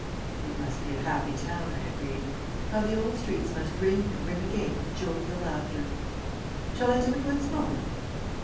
"It must be a happy town," I agreed. "How the old streets must ring and ring again with jovial laughter." "Shall I do it once more?"